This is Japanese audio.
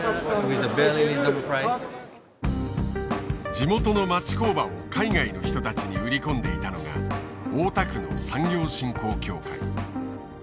地元の町工場を海外の人たちに売り込んでいたのが大田区の産業振興協会。